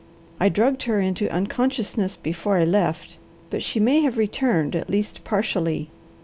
"I drugged her into unconsciousness before I left, but she may have returned, at least partially.